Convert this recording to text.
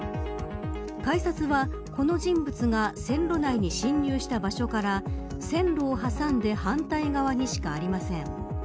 改札は、この人物が線路内に侵入した場所から、線路を挟んで反対側にしかありません。